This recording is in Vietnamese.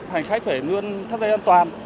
hành khách phải luôn thất vệ an toàn